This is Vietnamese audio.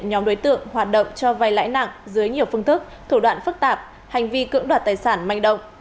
nhóm đối tượng hoạt động cho vai lãi nặng dưới nhiều phương thức thủ đoạn phức tạp hành vi cưỡng đoạt tài sản manh động